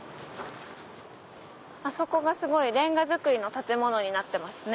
あそこがすごいレンガ造りの建物になってます。